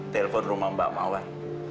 telepon rumah mbak mawar